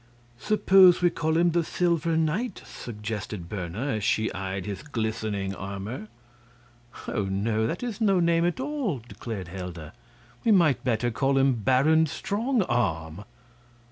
"Suppose we call him the Silver Knight," suggested Berna, as she eyed his glistening armor. "Oh, no! that is no name at all!" declared Helda. "We might better call him Baron Strongarm."